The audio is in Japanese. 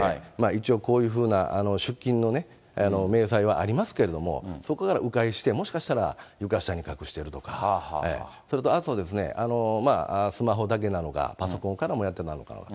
一応、こういうふうな出金の明細はありますけれども、そこから迂回して、もしかしたら床下に隠しているとか、それとあと、スマホだけなのか、パソコンからもやっていたのか。